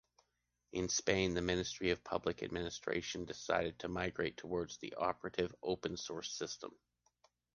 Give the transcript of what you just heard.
In Spain the Ministry of Public Administration decided to migrate towards an operative open source system.